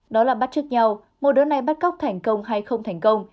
đó là bắt trước nhau một đứa này bắt cóc thành công hay không thành công